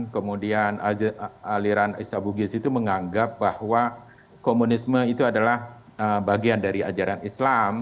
kemudian aliran isa bugis itu menganggap bahwa komunisme itu adalah bagian dari ajaran islam